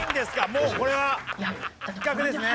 もうこれは失格ですね。